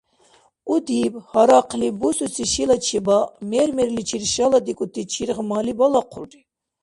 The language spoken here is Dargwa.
Удиб, гьарахълиб, бусуси шила чебаъ мер-мерличир шаладикӀути чиргъмали балахъулри.